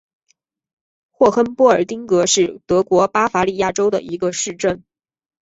霍亨波尔丁格是德国巴伐利亚州的一个市镇。